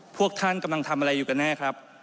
พวกท่านกำลังทำอะไรอยู่กันแน่ครับ